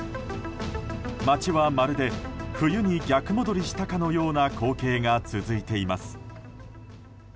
街はまるで冬に逆戻りしたかのような光景が続いています。